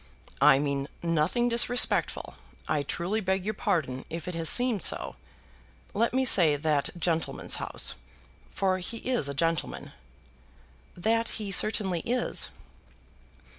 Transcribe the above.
"I mean nothing disrespectful. I truly beg your pardon if it has seemed so. Let me say that gentleman's house; for he is a gentleman." "That he certainly is."